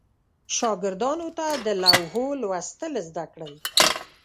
شاګردانو ته د لوحو لوستل زده کړل.